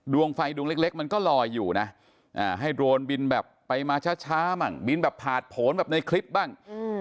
ดวงไฟดวงเล็กมันก็ลอยอยู่นะให้โดรนบินแบบไปมาช้าบ้างบินแบบผ่านผลแบบในคลิปบ้าง